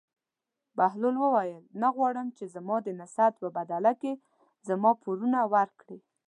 بهلول وویل: نه غواړم چې زما د نصیحت په بدله کې زما پورونه ورکړې.